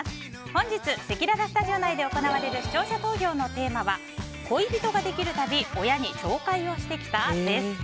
本日、せきららスタジオ内で行われる視聴者投票のテーマは恋人ができるたび親に紹介をしてきた？です。